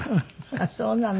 あっそうなの。